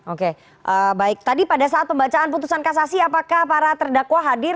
oke baik tadi pada saat pembacaan putusan kasasi apakah para terdakwa hadir